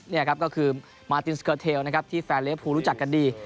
นี่ครับก็คือมาตินสเกอร์เทลนะครับที่แฟนเลี้ยภูรู้จักกันดี